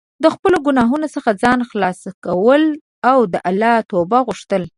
د خپلو ګناهونو څخه ځان خلاص کول او د الله توبه غوښتل.